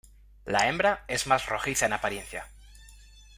La hembra es más rojiza en apariencia.